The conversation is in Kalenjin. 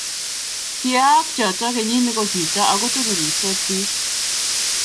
kiyaaka choto kenyit ne kosirtoi aku tuku rirsot biik